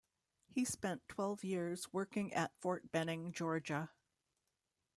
He spent twelve years working at Fort Benning, Georgia.